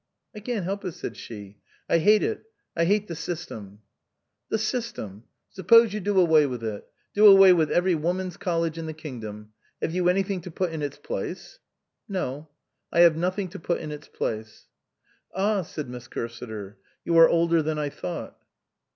" I can't help it," said she. " I hate it I hate the system." " The system ? Suppose you do away with it do away with every woman's college in the kingdom have you anything to put in its place ?" "No. I have nothing to put in its place." " Ah," said Miss Cursiter, " you are older than I thought."